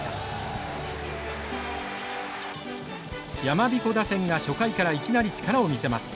やまびこ打線が初回からいきなり力を見せます。